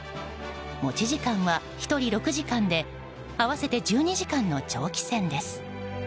持ち時間は１人６時間で合わせて１２時間の長期戦です。